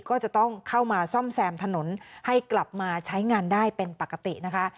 ก็จะต้องเข้ามาซ่อมแซมถนนให้กลับมาใช้งานได้เป็นปกตินะคะ